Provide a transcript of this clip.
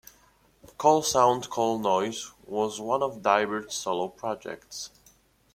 Call Sound Call Noise was one of Deibert's solo projects.